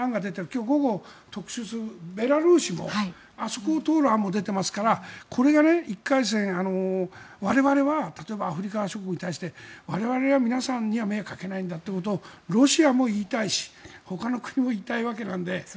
今日午後特集するベラルーシあそこを通る案も出ていますからこれが１回戦、我々は例えばアフリカ諸国に対して我々は皆さんには目をかけないんだということをロシアも言いたいしほかの国も言いたいわけなので。